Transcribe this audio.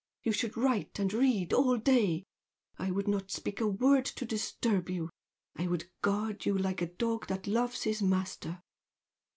You should write and read all day, I would not speak a word to disturb you. I would guard you like a dog that loves his master!"